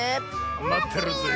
まってるぜえ。